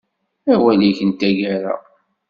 Awal-ik n taggara.